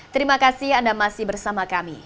terima kasih anda masih bersama kami